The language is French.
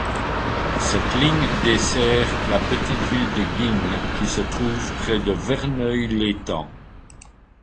Cette ligne dessert la petite ville de Guignes qui se trouve près de Verneuil-l'Étang.